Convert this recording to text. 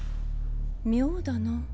妙だな。